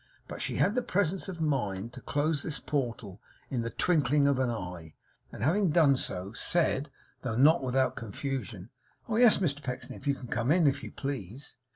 But she had the presence of mind to close this portal in the twinkling of an eye; and having done so, said, though not without confusion, 'Oh yes, Mr Pecksniff, you can come in, if you please.